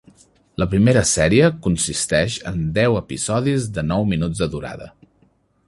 La primera sèrie consisteix en deu episodis de nou minuts de durada.